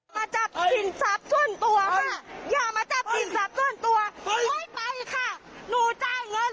พี่อะแล้วพี่รับหนูแล้วพี่รับเงินหนูไปทำไม